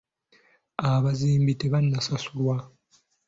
Abazimbi tebannasasulwa.